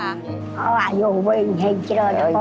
อ่ายาวเยอะแรงจรไมละผม